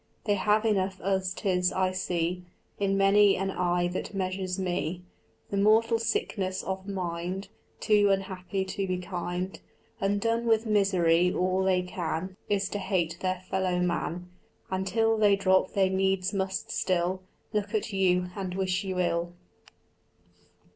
They have enough as 'tis: I see In many an eye that measures me The mortal sickness of a mind Too unhappy to be kind. Undone with misery, all they can Is to hate their fellow man; And till they drop they needs must still Look at you and wish you ill.